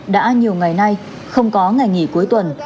đã nhiều ngày nay không có ngày nghỉ cuối tuần